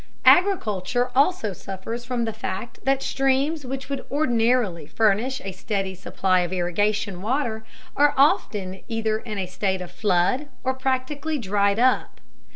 Agriculture also suffers from the fact that streams which would ordinarily furnish a steady supply of irrigation water are often either in a state of flood or practically dried up.